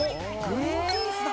グリーンピースなんだ。